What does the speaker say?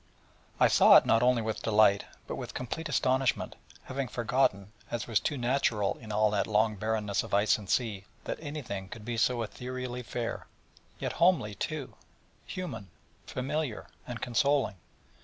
I saw it not only with delight, but with complete astonishment: having forgotten, as was too natural in all that long barrenness of ice and sea, that anything could be so ethereally fair: yet homely, too, human, familiar, and consoling.